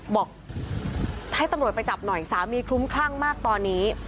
บอกให้ตำรวจไปจับหน่อยสามีคลุ้มคลั่งมากตอนนี้